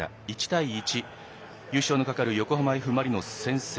１対１、優勝のかかる横浜Ｆ・マリノスが先制。